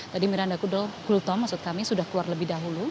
tadi miranda gultom maksud kami sudah keluar lebih dahulu